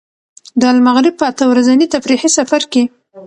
د المغرب په اته ورځني تفریحي سفر کې.